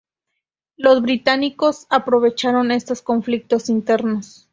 Los británicos aprovecharon estos conflictos internos.